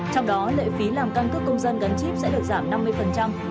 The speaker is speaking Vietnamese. trong đó lệ phí làm căn cước công dân gắn chip sẽ được giảm năm mươi